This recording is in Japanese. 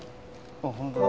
あっ本当だ。